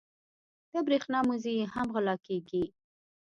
د برېښنا مزي یې هم غلا کېږي.